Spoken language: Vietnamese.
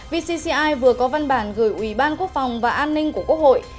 vcci vừa có văn bản gửi ủy ban quốc phòng và an ninh của quốc hội